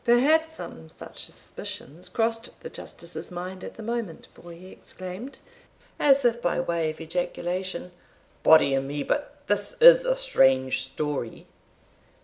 Perhaps some suspicious crossed the Justice's mind at the moment, for he exclaimed, as if by way of ejaculation, "Body o' me! but this is a strange story."